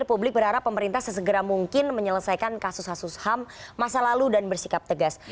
jadi publik berharap pemerintah sesegera mungkin menyelesaikan kasus kasus ham masa lalu dan bersikap tegas